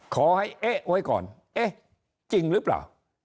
ขอให้เอ๊ะไว้ก่อนเอ๊ะจริงหรือเปล่า